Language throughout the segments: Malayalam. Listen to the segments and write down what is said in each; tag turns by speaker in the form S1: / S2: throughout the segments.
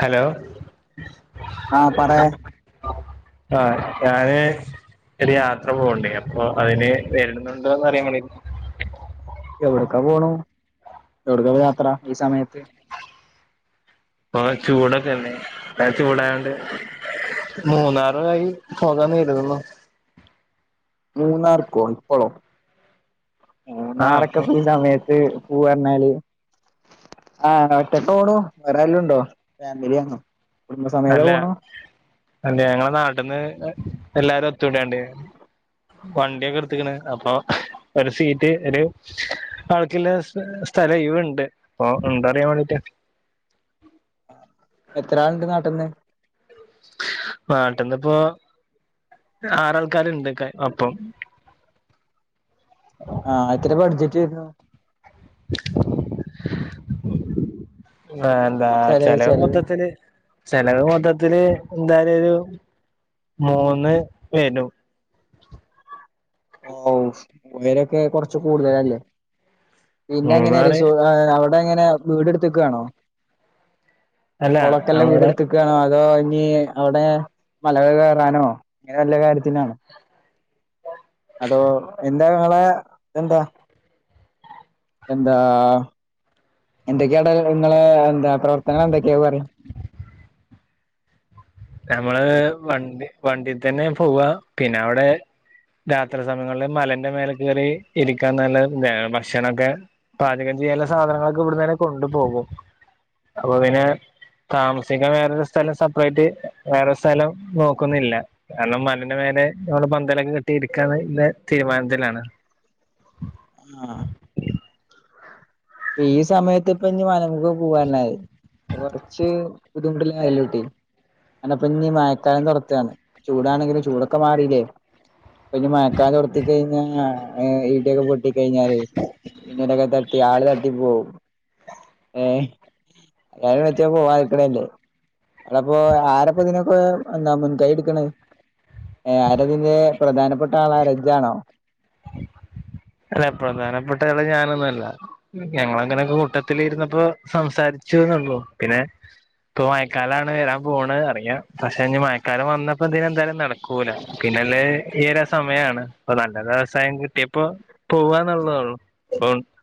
S1: ഹലോ.
S2: ആഹ് പറെ
S1: ആഹ് ഞാന് ഒരു യാത്ര പോന്ന്ണ്ടെ അപ്പൊ അയിന് വെരുന്നുണ്ടോന്നറിയാൻ വിളി
S2: എവിടെക്കാ പോണു? എവിട്ക്കാ ഇപ്പ യാത്ര ഈ സമയത്ത്?
S1: ഓഹ് ചൂടൊക്കെയല്ലേ? ഏഹ് ചൂടായോണ്ട് മൂന്നാറായി പോകാന്ന് കരുതുന്നു.
S2: മൂന്നാർക്കോ ഇപ്പൊളോ?
S1: ആഹ്
S2: മൂന്നാറൊക്കെ
S1: അപ്പൊ
S2: ഇപ്പ ഈ സമയത്ത് പൂവാറഞ്ഞാല് ആഹ് ഒറ്റക്കാ പോണു? വേറാരേലുണ്ടോ? ഫാമിലി ആണോ
S1: അല്ലാ അല്ല ഞങ്ങളെ നാട്ട്ന്ന് എല്ലാരും ഒത്തൂകൂടിയാണ്ട്. വണ്ടിയൊക്കെടുത്ത്ക്ക്‌ണ് അപ്പൊ ഒരു സീറ്റ് ഒര് ആൾക്ക്‌ള്ളെ സ് സ്ഥലം ഒയിവ്ണ്ട്. അപ്പോ ഇണ്ടോ അറിയാൻ വേണ്ടീറ്റ്
S2: എത്രാള്ണ്ട് നാട്ട്ന്ന്?
S1: നാട്ട്ന്ന്പ്പൊ ആറാൾക്കാര് ഇണ്ട് ക മൊത്തം
S2: ആഹ് എത്രെയാ ബഡ്ജറ്റ് വെര്ണു?
S1: ഏഹ് എന്താ ചെലവ് മൊത്തത്തില് ചെലവ് മൊത്തത്തില് എന്തായാലും ഒരു മൂന്ന് വെരും.
S2: ഓഹ് ഉയരൊക്കെ കൊറച്ച് കൂടുതലല്ലേ? പിന്നെ
S1: മൂന്ന്
S2: എങ്ങനെ
S1: പറ
S2: റിസോ ഏഹ് അവട് [unintelligible] എങ്ങെനെ വീടെട്ത്ത്ക്കാണോ?
S1: അല്ല
S2: [unintelligible]
S1: നമ്മടെ
S2: വീടെട് ക്കാണോ അതോ ഇനി അവിടെ മല കേറാനോ അങ്ങനെ വല്ല കാര്യത്തിനാണോ? അതോ എന്താ ഇങ്ങളെ ഇതെന്താ? എന്താ എന്തെക്കെയാടെ ഇങ്ങളെ എന്താ പ്രവർത്തന എന്തൊക്കെയാ അത് പറീ.
S1: ഞമ്മള് വണ്ടി വണ്ടീ തന്നെ പോവാ പിന്നെ അവിടെ രാത്രി സമയങ്ങളില് മലന്റെ മേലെ കേറി ഇരിക്കാൻ നല്ല ഇതാ ഭക്ഷണൊക്കെ പാചകം ചെയ്യാനുള്ള സാധനങ്ങളൊക്കെ ഇവിട്ന്നന്നേ കൊണ്ടുപോകും. അപ്പൊ പിന്നെ താമസിക്കാൻ വേറൊരു സ്ഥലം സെപ്പറേറ്റ് വേറെ സ്ഥലം നോക്കുന്നില്ലാ. കാരണം മലേന്റെ മേലെ നമ്മള് പന്തലൊക്കെ കെട്ടിയിരിക്കാന്ന് ഇള്ളെ തീരുമാനത്തിലാണ്.
S2: ആഹ് ഇപ്പ ഈ സമയത്ത് ഇപ്പ ഇനി മലമ്മുക്ക് പോവാർഞ്ഞായി കൊറച്ച് ബുദ്ധിമുട്ടിലായല്ലോ കുട്ടി? അന്നപ്പന്നി മയക്കാലം തൊടെക്കാണ്. ചൂടാണെങ്കിലും ചൂടൊക്കെ മാറീലേ? പ്പനി മയക്കാലവ്ടെത്തി കയിഞ്ഞാ ഇടിയൊക്കെ പൊട്ടി കഴിഞ്ഞാല് മിന്നലൊക്കെ തട്ടി ആള് തട്ടി പോവും ഏഹ്. [unintelligible] വെച്ചാ പോവാതിരിക്കലല്ലേ? അല്ലപ്പോ ആരപ്പോ ഇതിനൊക്കെ എന്താ മുൻകൈയെടുക്കണ്? ഏഹ് ആരതിന്റെ പ്രധാനപ്പെട്ട ആളാരാ ജ്ജാണോ?
S1: അല്ല പ്രധാനപ്പെട്ടയാള് ഞാനൊന്നു അല്ല ഞങ്ങളങ്ങനെ കൂട്ടത്തിലിരുന്നപ്പോ സംസാരിച്ചുന്നുള്ളൂ. പിന്നെ ഇപ്പൊ മയക്കാലാണ് വരാൻ പോണ അറിയാ പക്ഷെ ഞ്ഞി മയക്കാലം വന്നാപ്പോ ഇതിനിന്തായാലും നട ക്കൂല പിന്നല്ലേ ഈയൊരു സമയാണ് പ്പൊ നല്ല വ്യവസായം കിട്ടിയപ്പോ പോവാന്നുള്ളതുള്ളു [unintelligible]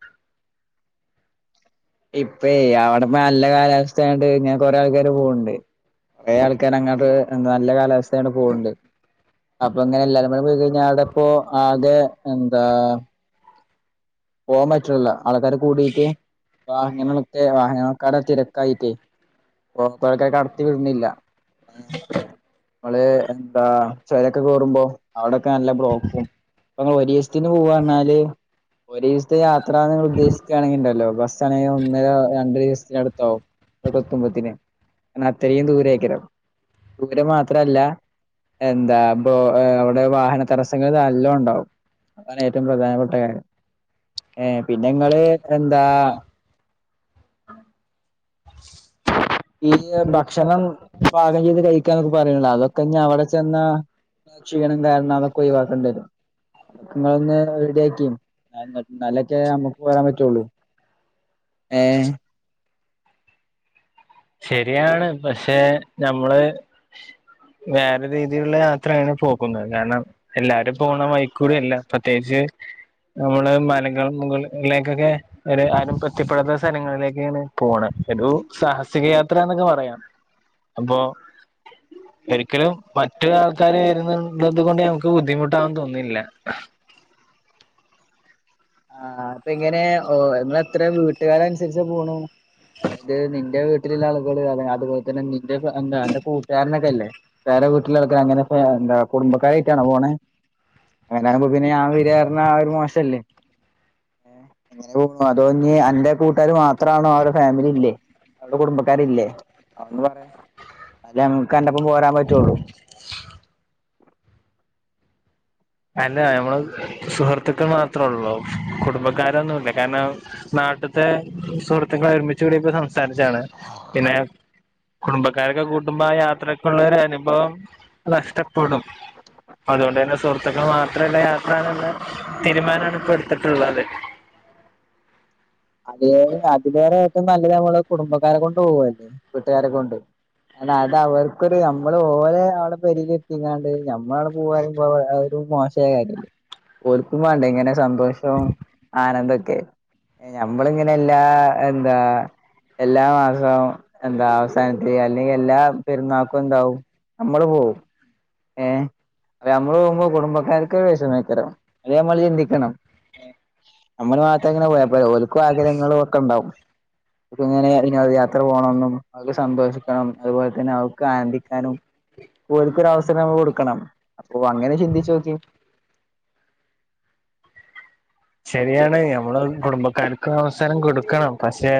S2: ഇപ്പേ അവിടെ നല്ല കാലാവസ്ഥയാണ്ട് ഇങ്ങന കൊറെ ആൾക്കാര് പോൺണ്ട്. കൊറേ ആൾക്കാരങ്ങോട്ട് നല്ല കാലാവസ്ഥയാണ് പോൺണ്ട് അപ്പൊ ങ്ങനെ എല്ലാരും പാടെ പോയി കഴിഞ്ഞാ അവിടപ്പോ ആകെ എന്താ പോവാം പറ്റണില്ല ആൾക്കാര് കൂടിട്ട് വാഹനങ്ങളൊക്കെ വാഹന കട തിരക്കായിട്ടേ [unintelligible] കടത്തി വിടുന്നില്ല. നമ്മള് എന്താ ചൊരൊക്കെ കേറുമ്പോ അവിടെ ക്ക നല്ല ബ്ലോക്കും പ്പങ്ങള് ഒരീസ്ത്തിന് പോവാർഞാല് ഒരീസ്ത്തെ യാത്ര നിങ്ങളു ദ്ദേശിക്കുകയാണെങ്കിലിണ്ടല്ലോ ബസാണെങ്കി ഒന്നര രണ്ടു ദിവസ്ത്തിനടുത്താവും. അവിടെത്തുമ്പത്തിനു കാരണത്രയും ദൂരെയ്ക്കല്ലൊ. ദൂരം മാത്രല്ല എന്താ ബൊ ഏഹ് അവിടെ വാഹന തടസങ്ങള് നല്ലോൺണ്ടാവും അതാണേറ്റവും പ്രധാനപ്പെട്ട കാര്യം. ഏഹ് പിന്നെ ങ്ങള് എന്താ [unintelligible] ഭക്ഷണം പാകം ചെയ്ത് കഴിക്കാന്നൊക്കെ പറയണ് അതൊക്കെന്നി അവിടെ ചെന്നാ ക്ഷീണം കാരണം അതൊക്കെ ഒഴിവാക്കണ്ടി വരും. ഇങ്ങളൊന്ന് റെഡിയാക്കി. [unintelligible] ന്നാലൊക്കെ അമ്മക്കു വരാൻ പറ്റുള്ളൂ. ഏഹ്
S1: ശെരിയാണ് പഷെ ഞമ്മള് വേറെ രീതിയിലുള്ള യാത്രയാണ് പോകുന്നത്. കാരണം എല്ലാരും പോണ വൈക്കൂടെയല്ല. പ്രത്യേകിച്ച് നമ്മള് മലകള് മുകളിലേക്കൊക്കെ ഒരു ആരും പെത്തിപ്പെടാത്ത സലങ്ങളിലേക്കാണ് പോണ ഒരു സാഹസ് സികയാത്രാന്നൊക്കെ പറയാം. അപ്പോ ഒരിക്കലും മറ്റുള്ള ആൾക്കാര് വരുന്നുള്ളത് കൊണ്ട് ഞമക്ക് ബുദ്ധിമുട്ടാന്ന് തോന്നില്ല.
S2: ആഹ് അപ്പെങ്ങനെ ഓ നിങ്ങളെത്ര വീട്ടുകാരൻസരിച്ച് പോണു അത് നിന്റെ വീ ട്ടിലില്ലാളുകള് അതെ അതുപോൽതന്നെ നിന്റെ ഫ്ര എന്താ അന്റെ കൂട്ടുകാരനൊക്കെല്ലേ. വേറെ വീട്ടിലാൾക്കാരങ്ങനെ പ്പയെന്താ കുടുംബക്കാരായിട്ടാണോ പോണെ? അങ്ങനെയാവുമ്പോ പിന്ന ഞാൻ വര്യാർഞ്ഞ ആ ഒരു മോശല്ലേ. [unintelligible] അതോ ഞ്ഞി അന്റെ കൂട് ട്ടാര് മാത്രാണോ അവരെ ഫാമിലില്ലേ അവരുടെ കുടുംബക്കാരില്ലേ അഒന്ന് പറയ അല്ലേമ്മക്കന്റപ്പം പോരാൻ പറ്റുള്ളൂ.
S1: അല്ല ഞമ്മള് സുഹൃത്തുക്കൾ മാത്രുള്ളൂ കുടുംബക്കാരൊന്നൂല്ല. കാരണം നാട്ട്ത്തെ സുഹൃത്തുക്കളൊരുമിച്ചു കൂടിയപ്പോ സംസാരിച്ചാണ്. പിന്നെ കുടുംബക്കാരൊക്കെ കൂട്ടുംബായാത്രക്കുള്ളെ ഒരു അനുഭവം നഷ്ടപ്പെടും. അതുകൊണ്ടന്നെ സുഹൃത്തുക്കൾ മാത്രള്ളെ യാത്രാന്നുള്ളെ തീരുമാനാണിപ്പൊട്ത്തിട്ടുള്ളത്
S2: അത് അതിലേറെ ഏറ്റോം നല്ലത് അമ്മളെ കുടുംബക്കാരെ കൊണ്ട് പോകല്ലേ വീട്ടുകാരെ കൊണ്ട് അന്നതവർക്കൊരു നമ്മള് ഓലെ ആടെ പെരേൽ ഇരുത്തിങ്ങാണ്ട് ഞമ്മള് പോവ പറയുമ്പോ അത് ഒരു മോശ യ കാര്യല്ലേ ഓൽക്കുവേണ്ടേ ഇങ്ങനെ സന്തോഷവും ആനന്ദൊക്കെ ഞമ്മളിങ്ങനെയെല്ലാ എന്താ എല്ലാ മാസവും എന്താ അവസാനത്തി അല്ലെങ്കിയെല്ലാ പെരുന്നാക്കും എന്താവും നമ്മള് പോവും ഏ ഞമ്മള് പോകുമ്പോ കുടുംബക്കാർക്ക് വിഷമേക്കരം അത് ഞമ്മള് ചിന്തിക്കണം
S1: [inaudible]
S2: നമ്മൾ മാത്രങ്ങനെ പോയാ പോര ഓല്ക്കും ആഗ്രഹങ്ങളും ഒക്കെ ഉണ്ടാവും അപ്പങ്ങനെ വിനോദയാ ത്ര പോണന്നും അവർക്ക് സന്തോഷിക്കണം അതുപോലെ തന്നെ അവർക്ക് ആനന്ദിക്കാനും ഓല്ക്ക് ഒരു അവസ രം കൊടുക്കണം അപ്പൊ അങ്ങനെ ചിന്തിച്ചു നോക്കിയെ
S1: ശരിയാണ് ഞമ്മള് കുടുംബക്കാർക്ക് അവസരം കൊടുക്കണം പക്ഷെ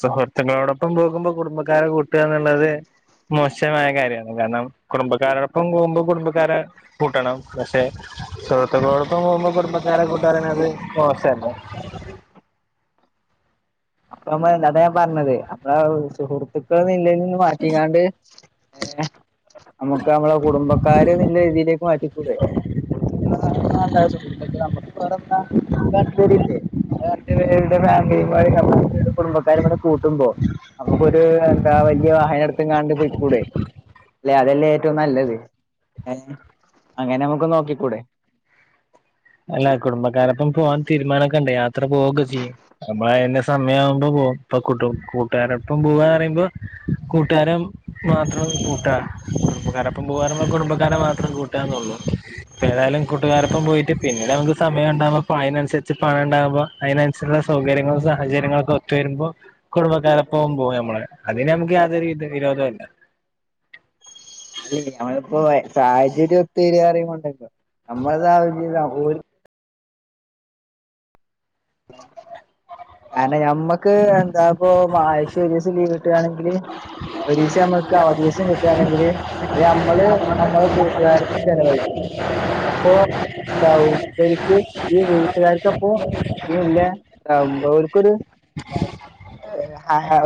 S1: സുഹൃത്തുക്കളോടൊപ്പം പോകുമ്പോ കുടുംബക്കാരെ കൂട്ടുക എന്നുള്ളത് മോശമായ കാര്യാണ് കാരണം കുടുംബക്കാരോടൊപ്പം പോകുമ്പോൾ കുടുംബക്കാരെ കൂട്ടണം. പക്ഷെ സുഹൃത്തുക്കളോടൊപ്പം പോകുമ്പോ കുടുംബക്കാരെ കൂട്ടപറയുന്നത് അത് മോശല്ലേ
S2: അപ്പൊ നമ്മ എന്താതാണ് ഞാ പറഞ്ഞത് അപ്പള സുഹൃത്തുക്കള് ഇള്ളത് മാറ്റിക്കാണ്ട് ഏഹ് നമ്മുക്ക് നമ്മള കുടുംബക്കാര്ന്നള്ള രീതിയിലേക്ക് മാറ്റിക്കൂടെ [unintelligible] രണ്ട് പേരുടെ ഫാമിലി [unintelligible] നമ്മടെ കുടുംബക്കാരുവ്ടെ കൂട്ടുമ്പോ നമുക്കൊരു എന്താ വലിയ വാഹനംടുത്തും കാണ്ട് പോയിക്കൂടെ ല്ലെ അതല്ലേ ഏറ്റവും നല്ലത് ഏഹ് അങ്ങനെ നമുക്ക് നോക്കിക്കൂടെ
S1: അല്ല കുടുംബക്കാരൊപ്പം പോവാൻ തീരുമാനക്കെണ്ട് യാത്ര പോവുക്കെ ചെയ്യും നമ്മൾ അതിന്റെ സമയം ആവുമ്പോ പോകും ഇപ്പൊ കൂട്ടു കൂട്ടുകാരപ്പം പോവാന്ന് പറയുമ്പോ കൂട്ടുകാരും മാത്രം കൂട്ടാ കുടുംബക്കാര അപ്പം പോകറയുമ്പ കുടുംബക്കാരെ മാത്രം കൂട്ടന്നുള്ളൂ ഇപ്പ ഏതായാലും കൂട്ടുകാരൊപ്പ പോയി പിന്നെ നമുക്ക് സമയം ഉണ്ടാകുമ്പോ പ്പഅതിനനുസരിച്ച് പണം ഉണ്ടാകുമ്പോ അതിനനുസരിച്ചുള്ള സൗകര്യങ്ങളു സഹചര്യങ്ങളൊക്കെ ഒത്ത് വരുമ്പോ കുടുംബക്കാരെപ്പം പോകമ്മള് അതിന് നമുക്ക് യാതൊരു വിരോധല്ല
S2: അല്ല ഞമ്മളിപ്പോ സാഹചര്യം ഒത്ത് വരപറയുമ്പോണ്ടല്ലോ നമ്മള സാഹചര്യം ഓല്ക്ക് കാരണം ഞമ്മക്ക് എന്താ ഇപ്പൊ ആഴ്ച്ച ഒരിസം ലീവ് കിട്ടുകാണെങ്കില് ഒരീസം നമുക്ക് അവധി ദിവസം കിട്ടുകയാണെങ്കില് അത് നമ്മള് നമ്മള കൂട്ടുകാരപ്പം ചെലവഴിക്കും അപ്പോ എന്താവു ഇവര്ക്ക് ഈ വീട്ടുകാർക്ക് അപ്പോ ഇഹ് ഇല്ലേ ആഹ് ഓല്ക്കൊരു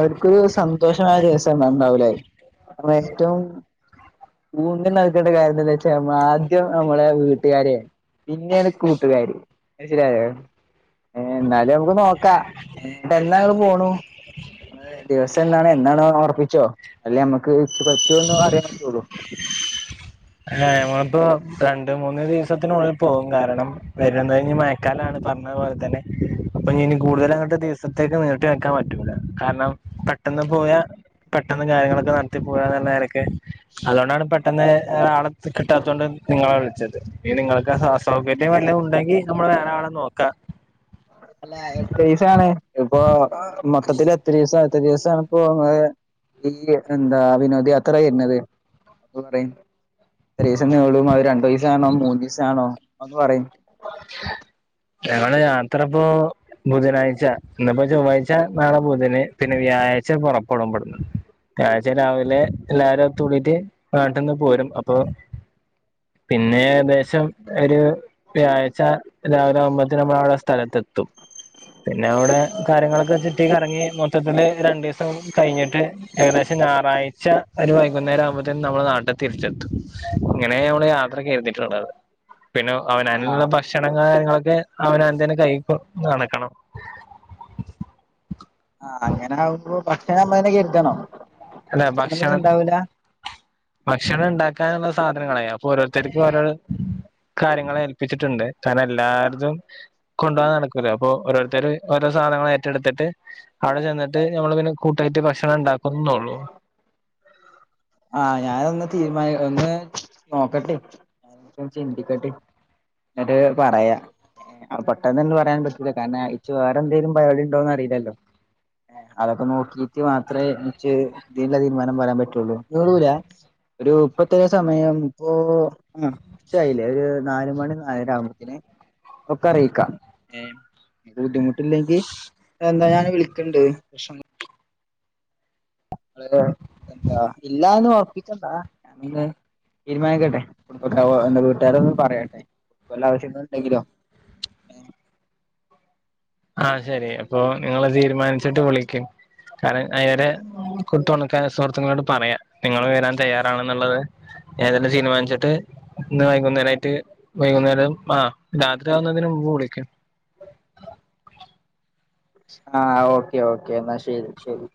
S2: അവർക്കൊരു സന്തോഷമായ ദിവസം അന്നാവുലേ [unintelligible] ഏറ്റവും ഊന്നൽ നൽക്കേണ്ട കാര്യംന്ത വെച്ചാ ആദ്യം നമ്മളെ വീട്ടുകാരെയാണ് പിന്നെയണ് കൂട്ടുകാര് മനസ്സിലായോ ഏഹ് എന്നാലും നമുക്ക് നോക്കാ എന്നങ്ങള് പോണു ദിവസം എന്നാണ് എന്നാണോ ഒറപ്പിച്ചോ അല്ല ഞമ്മക്ക് ഇക്ക് പറ്റോന്ന് അറിയാൻ പറ്റുള്ളു
S1: ആഹ് ഞമ്മളിപ്പോ രണ്ട് മൂന്ന് ദിവസത്തിനുള്ളിൽ പോകും കാരണം വരണത് ഇനി മയക്കാലാണ് പറ പോലെ തന്നെ അപ്പൊ ഇനി കൂടുതലങ്ങട് ദിവസത്തേക്ക് നീട്ടി വെക്കാം പറ്റൂല കാര്ണം പെട്ടെന്ന് പോയാ പെട്ടെന്ന് കാര്യങ്ങളൊക്കെ ന്നട ത്തി പോരാന്ന്ള്ള നെലക്ക് അത് കൊണ്ടാണ് പെട്ടെന്ന് ആള കിട്ടാത്തൊണ്ട് ഇങ്ങളെ വ്ൾച്ചത് ഇനി നിങ്ങൾക്ക് അസൗകര്യം വല്ല ഉണ്ടെങ്കി ന്നമ്മള് വേറെ ആളെ നോക്കാം.
S2: അല്ലാ എത്രീസാണ് ഇപ്പൊ മൊത്തത്തില് എത്രീസം എത്ര ദിവസാണ് പ്പൊ ഇങ്ങള് ഇല്ല്യ എന്താ വിനോദയാത്ര വര്നത് അത് പറയൂ. എത്രീസം നീളും അത് രണ്ടീസാണോ മൂന്നീസാണോ അതൊന്ന് പറയു.
S1: ഞങ്ങടെ യാത്രപ്പോ ബുധനാഴ്ച ഇന്ന്പ്പോ ചൊവ്വാഴ്ച നാളെ ബുധന് പിന്നെ വ്യാഴാഴ്ച പൊറപ്പെടും ബട്ന്ന്. ഞായറാഴ്ച രാവിലെ എല്ലാരും ഒത്തൂടീട്ട് ന്നാട്ട്ന്ന് പോരും അപ്പൊ പിന്നെ ഏകദേശം ഒര് വ്യാഴാഴ്ച രാവിലാവുമ്പത്തിനമ്മള അവടെ സ്ഥലത്തെത്തും. പിന്നെ അവടെ കാര്യങ്ങളൊക്കെ ചുറ്റിക്കറങ്ങി മൊത്തത്തില് രണ്ടീസം കയ്ഞ്ഞിട്ട് ഏകദേശം ഞാറാഴ്ച്ച ഒരു വൈകുന്നേര ആവുംമ്പത്തിന് ന്നമ്മള് ന്നാട്ട് തിരിച്ചെത്തും ഇങ്ങനെ ന്നമ്മള് യാത്ര കര്തീട്ട്ള്ളത്. പിന്നെ അവനവ്ന്ള്ള
S2: ആഹ്
S1: ഭക്ഷണ കാര്യങ്ങളൊക്കെ അവനാംന്തന്നെ കൈക്കും നടക്കണം.
S2: ആഹ് അങ്ങനെ ആവുംമ്പോ ഭക്ഷണം ഞമ്മളെന്നെ കെര്തണോ ഭക്ഷണം പിന്നെണ്ടാവൂല?
S1: ഭക്ഷണം ഇണ്ടാക്കാന്ള്ള സാധനങ്ങളേ അപ്പൊ ഓരോര്ത്തർക്കും ഓരോരോ കാര്യങ്ങൾ ഏൽപ്പിച്ചിട്ട്ണ്ട് കാര്ണം എല്ലാര്തും കൊണ്ടൊവാ നടക്കൂലാ അപ്പൊ ഓരോര്ത്തര് ഓരോ സാനങ്ങള് ഏറ്റെട്ത്ത്ട്ട് അവടെ ചെന്ന്ട്ട് ഞമ്മള് പിന്നെ കൂട്ടായിട്ട് ഭക്ഷണം ണ്ടാക്ക്ന്നൊള്ളു.
S2: ആഹ് ഞാനൊന്ന് തീര്മാനി ഒന്ന് നോക്കട്ടെ ചിന്തിക്കട്ടെ. ന്ന്ട്ട് പറയാ. ആഹ് പെട്ടെന്ന്ങ്ങട് പറയാനും പറ്റൂലാ കാര്ണം ഇച്ച് വേറെന്തെലും പരിപാടി ണ്ടോന്നറീലല്ലോ. അതൊക്കെ നോക്കീറ്റ് മാത്രെ ഇച്ച് ഇതിന്ള്ള തീര്മാനം പറയാം പറ്റുള്ളൂ. ന്ന്ളൂലാ ഒരു ഇപ്പത്തെറേ സമയം? ഇപ്പൊ ആഹ്, ഉച്ചായിലേ ഒരു ന്നാല് മണി ന്നാലര ആവുമ്പക്കിന് ഒക്കെ അറീക്കാ. ഏഹ് ബുദ്ധിമുട്ടില്ലെങ്കി എന്താ ഞാൻ വിളിക്കണ്ട് പ്ര ങ്ങള് എന്താ ഇല്ലാന്ന് ഒറപ്പിചണ്ടാ ഞാനൊന്ന് തീര്മാനിക്കട്ടെ എന്തക്കാവോ ന്താ വീട്ട്കാരൊന്ന് പറയട്ടെ ക്കോല ആവശ്യംങ്ങൾ ണ്ടെങ്കിലോ.
S1: ആഹ് ശെരി അപ്പൊ നിങ്ങള് തീര്മാൻച്ച്ട്ട് വ്ളിക്ക് കാര്ണം അയരെ കൊത്ത് സുഹൃത്തുളോട് പറയാ നിങ്ങള് വരാൻ തയ്യറാണെന്നുള്ളത് ഏതെലും തീര്മാൻച്ച്ട്ട് ഇന്ന് വൈകുന്നേരായിട്ട് വൈകുന്നേരം ആഹ് രാത്രി ആവുന്നതിന് മുമ്പ് വിളിക്ക്‌.
S2: ആഹ് ഓക്കെ ഓക്കേ ന്നാ ശെരി ശെരി.